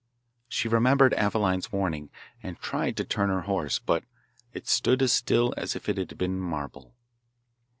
She remembered Aveline's warning, and tried to turn her horse, but it stood as still as if it had been marble.